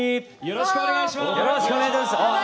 よろしくお願いします。